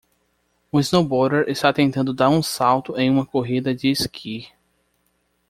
Um snowboarder está tentando dar um salto em uma corrida de esqui